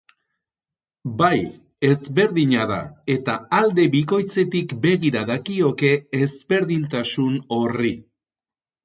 Bai, ezberdina da, eta alde bikoitzetik begira dakioke ezberdintasun horri.